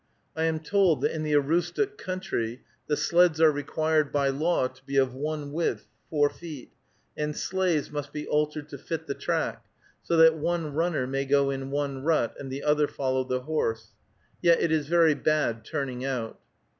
I am told that in the Aroostook country the sleds are required by law to be of one width (four feet), and sleighs must be altered to fit the track, so that one runner may go in one rut and the other follow the horse. Yet it is very bad turning out.